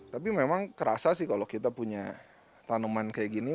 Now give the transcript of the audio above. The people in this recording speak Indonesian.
tapi memang kerasa sih kalau kita punya tanaman kayak gini